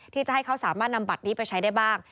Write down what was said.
ที่จะให้เขาสามารถนำบัตรนี้ไปใช้ได้บ้าง